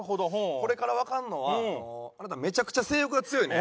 これからわかるのはあなためちゃくちゃ性欲が強いね。